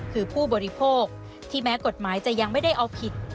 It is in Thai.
คือผู้บริโภคที่แม้กฎหมายจะยังไม่ได้เอาผิด